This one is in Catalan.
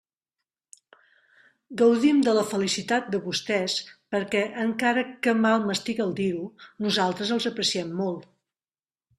Gaudim de la felicitat de vostès, perquè, encara que mal m'estiga el dir-ho, nosaltres els apreciem molt.